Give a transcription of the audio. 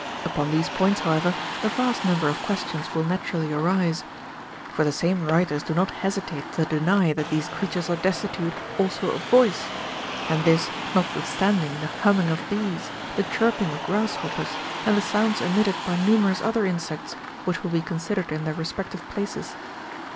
Upon these points, however, a vast number of questions will naturally arise ; for the same writers do not hesitate to deny that these creatures are destitute also of voice,6 and this, notwithstanding the humming of bees, the chirping of grass hoppers, and the sounds emitted by numerous other insects which will be considered in their respective places.